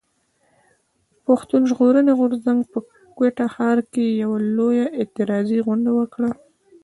پښتون ژغورني غورځنګ په کوټه ښار کښي يوه لويه اعتراضي غونډه وکړه.